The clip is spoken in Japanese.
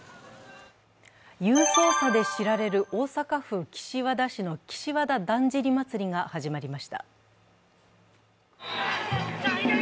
勇壮さで知られる大阪府岸和田市の岸和田だんじり祭が始まりました。